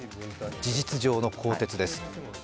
事実上の更迭です。